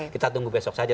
kita tunggu besok saja